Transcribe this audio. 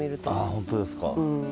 あ本当ですか。